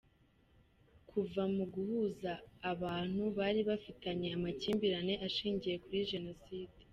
kuva m’uguhuza abantu baribafitanye amakimbiranye ashingiye kuri Jenicide